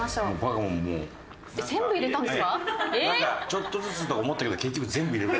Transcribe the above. ちょっとずつとか思ったけど結局全部入れる。